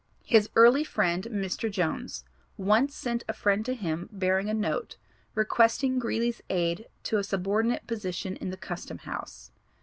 His early friend, Mr. Jones, once sent a friend to him bearing a note requesting Greeley's aid to a subordinate position in the custom house.